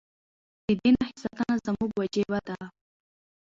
د دې نښې ساتنه زموږ وجیبه ده.